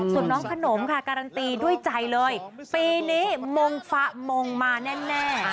ส่วนน้องขนมค่ะการันตีด้วยใจเลยปีนี้มงฟะมงมาแน่